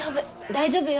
大丈夫よ。